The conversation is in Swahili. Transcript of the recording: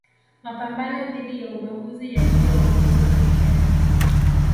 mapambano dhidi ya ubaguzi yaliyoongozwa na Mandela